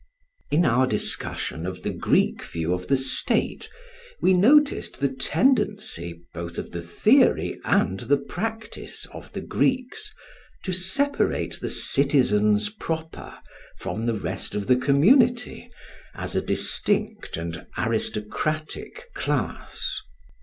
In our discussion of the Greek view of the State we noticed the tendency both of the theory and the practice of the Greeks to separate the citizens proper from the rest of the community as a distinct and aristocratic class.